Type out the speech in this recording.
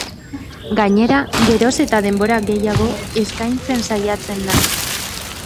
Gainera, geroz eta denbora gehiago eskaintzen saiatzen naiz.